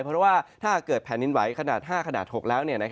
เพราะว่าถ้าเกิดแผ่นดินไหวขนาด๕ขนาด๖แล้ว